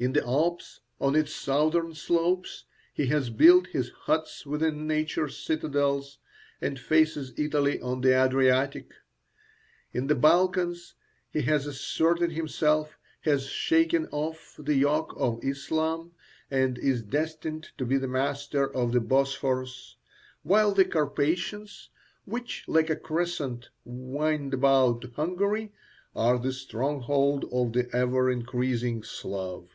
In the Alps, on its southern slopes, he has built his huts within nature's citadels, and faces Italy on the Adriatic. In the Balkans he has asserted himself, has shaken off the yoke of Islam, and is destined to be the master of the Bosphorus; while the Karpathians, which, like a crescent, wind about Hungary, are the stronghold of the ever increasing Slav.